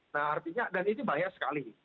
nah artinya dan itu bahaya sekali